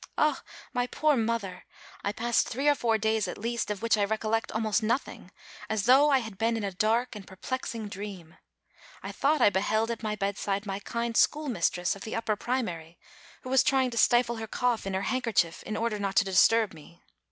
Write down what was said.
Ah, my poor mother! I passed three or four days at least, of which I recollect almost nothing, as though I had been in a dark and perplexing dream. I thought I beheld at my bedside my kind schoolmistress of the upper primary, who was trying to stifle her cough in her handkerchief in order not to disturb me.